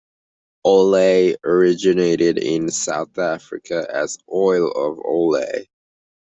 Olay originated in South Africa as Oil of Olay.